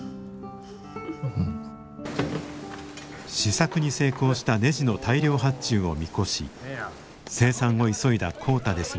試作に成功したねじの大量発注を見越し生産を急いだ浩太ですが。